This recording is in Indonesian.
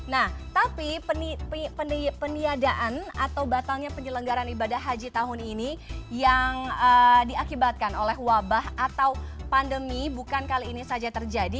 nah tapi peniadaan atau batalnya penyelenggaran ibadah haji tahun ini yang diakibatkan oleh wabah atau pandemi bukan kali ini saja terjadi